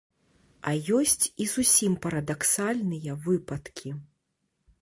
А ёсць і зусім парадаксальныя выпадкі.